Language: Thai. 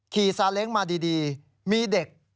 ซาเล้งมาดีมีเด็ก